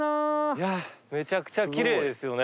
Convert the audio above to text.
いやめちゃくちゃきれいですよね。